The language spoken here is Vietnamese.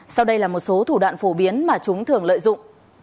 sau đây là một số thủ đoạn phổ biến mà chúng thường lợi dụng